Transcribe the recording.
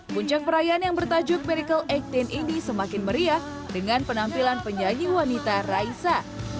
puncak perayaan yang bertajuk merical delapan belas ini semakin meriah dengan penampilan penyanyi wanita raisa